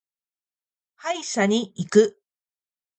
歯医者に行く。